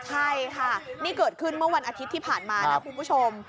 ใช่ค่ะนี่เกิดขึ้นเมื่อวันอาทิตย์ที่ผ่านมานะคุณผู้ชม